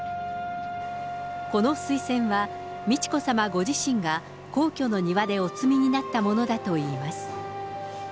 この水仙は、美智子さまご自身が皇居の庭でお摘みになったものだといいます。